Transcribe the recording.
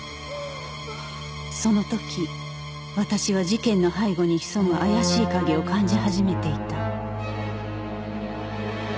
その時私は事件の背後に潜む怪しい影を感じ始めていた